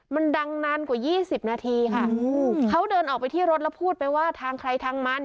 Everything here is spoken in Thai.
มันดังนานกว่า๒๐นาทีค่ะเขาเดินออกไปที่รถแล้วพูดไปว่าทางใครทางมัน